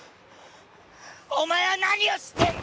お前は何を知ってんだよ！